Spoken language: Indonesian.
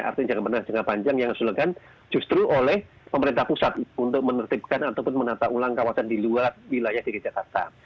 artinya jangka menengah jangka panjang yang harus dilakukan justru oleh pemerintah pusat untuk menertibkan ataupun menata ulang kawasan di luar wilayah dki jakarta